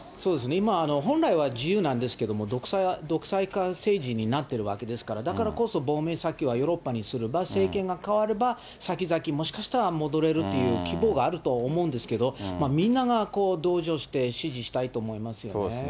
今、本来は自由なんですけれども、独裁化政治になってるわけですから、だからこそ亡命先はヨーロッパにすれば、政権が代われば、先々、もしかしたら戻れるという希望があると思うんですけど、みんなが同情して支持したいと思いますよね。